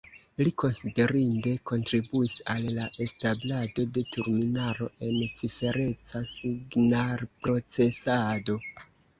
Li konsiderinde kontribuis al la establado de terminaro en cifereca signalprocesado.